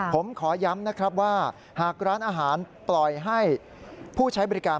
ผมขอย้ำนะครับว่าหากร้านอาหารปล่อยให้ผู้ใช้บริการ